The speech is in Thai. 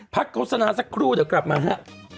โฆษณาสักครู่เดี๋ยวกลับมาฮะ